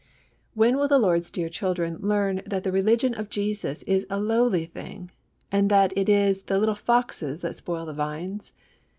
When will the Lord's dear children learn that the religion of Jesus is a lowly thing, and that it is the little foxes that spoil the vines?